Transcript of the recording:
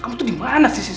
kamu tuh dimana sih sis